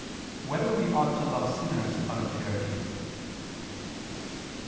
6] Whether We Ought to Love Sinners Out of Charity?